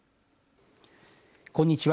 こんにちは。